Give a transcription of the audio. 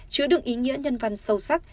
chứa đựng ý nghĩa nhân văn sâu sắc